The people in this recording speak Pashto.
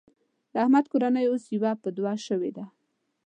د احمد کورنۍ اوس يوه په دوه شوېده.